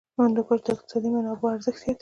هندوکش د اقتصادي منابعو ارزښت زیاتوي.